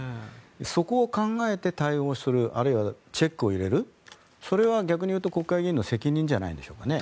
そこを考えて対応するあるいはチェックを入れるそれは逆に言うと国会議員の責任なんじゃないですかね。